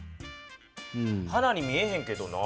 花に見えへんけどなぁ。